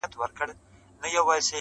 نه خبره یې پر باز باندي اثر کړي!